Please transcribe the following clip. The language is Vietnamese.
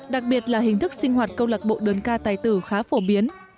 đặc biệt là hình thức sinh hoạt câu lạc bộ đơn ca tài tử khá phổ biến